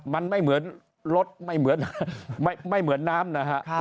มันไม่เหมือนรถไม่เหมือนน้ำนะครับ